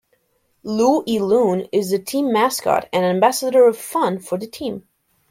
Lou E. Loon is the team mascot and Ambassador of Fun for the team.